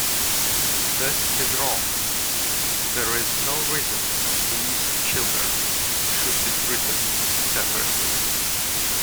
This is wrong... There's no reason these children should be treated separately.